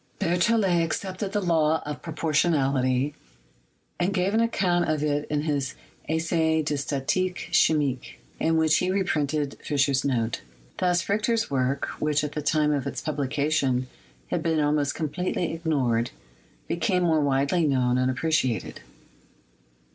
Berthcllet accepted the law of proportionality and gave an account of it in his "Essai de Statique Chimique," in which he reprinted Fischer's note. Thus Richter's work, which at the time of its publication had been almost com pletely ignored, became more widely known and appre ciated.